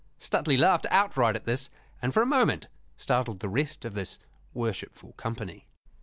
Stuteley laughed outright at this, and for a moment startled the rest of this worshipful company.